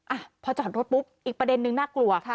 อ่ะพอจอดรถปุ๊บอีกประเด็นนึงน่ากลัวค่ะ